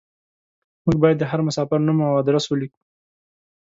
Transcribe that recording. موږ بايد د هر مساپر نوم او ادرس وليکو.